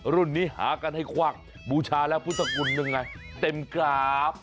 รุ่นนี้หากันให้ควักบูชาแล้วพุทธคุณยังไงเต็มกราบ